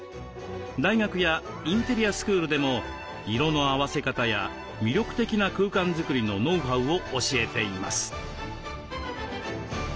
大学やインテリアスクールでも色の合わせ方や魅力的な空間づくりのノウハウを教えています。